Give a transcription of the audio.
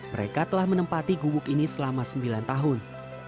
mereka telah menempati gubuk ini selama sembilan tahun